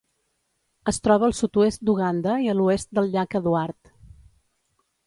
Es troba al sud-oest d'Uganda i a l'oest del Llac Eduard.